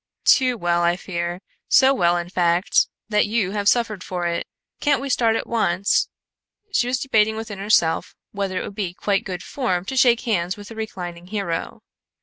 "Too well, I fear. So well, in fact, that you have suffered for it. Can't we start at once?" She was debating within herself whether it would be quite good form to shake hands with the reclining hero.